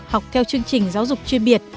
học theo chương trình giáo dục chuyên biệt